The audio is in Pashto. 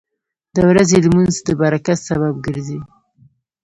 • د ورځې لمونځ د برکت سبب ګرځي.